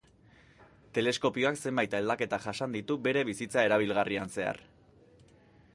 Teleskopioak zenbait aldaketa jasan ditu bere bizitza erabilgarrian zehar.